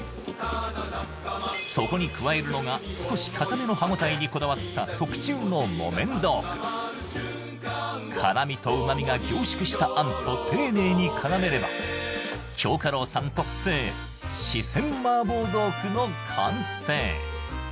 そこに加えるのが少し硬めの歯応えにこだわった辛みと旨みが凝縮したあんと丁寧に絡めれば京華樓さん特製四川麻婆豆腐の完成